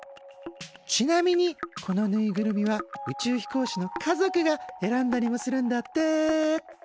ちなみにこのぬいぐるみは宇宙飛行士の家族が選んだりもするんだって。